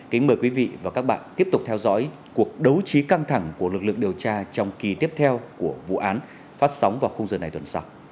kính mời quý vị và các bạn tiếp tục theo dõi cuộc đấu trí căng thẳng của lực lượng điều tra trong kỳ tiếp theo của vụ án phát sóng vào khung giờ này tuần sau